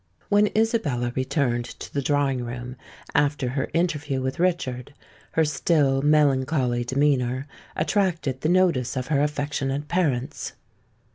When Isabella returned to the drawing room after her interview with Richard, her still melancholy demeanour attracted the notice of her affectionate parents.